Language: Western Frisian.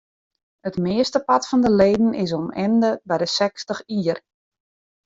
It meastepart fan de leden is om ende by de sechstich jier.